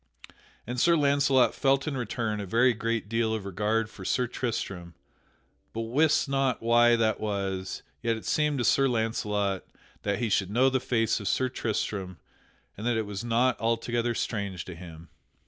And Sir Launcelot felt in return a very great deal of regard for Sir Tristram, but wist not why that was; yet it seemed to Sir Launcelot that he should know the face of Sir Tristram, and that it was not altogether strange to him.